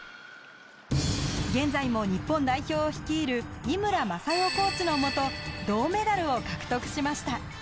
現在も日本代表を率いる井村雅代コーチのもと銅メダルを獲得しました。